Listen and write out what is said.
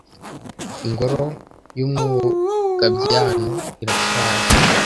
Ingoro y’Umwogabyano. irashaje